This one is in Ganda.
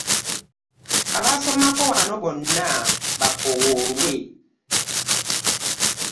Abaasomako wano bonna bakoowoolwe.